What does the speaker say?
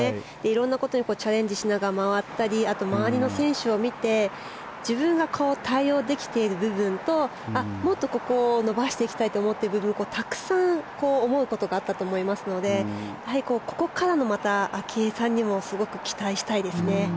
色んなことにチャレンジしながら回ったりあと、周りの選手を見て自分が対応できている部分ともっとここを伸ばしていきたいと思っている部分とたくさん思うことがあったと思いますのでここからの明愛さんにも期待したいですね。